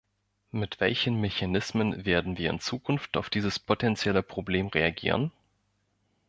Mit welchen Mechanismen werden wir in Zukunft auf dieses potentielle Problem reagieren?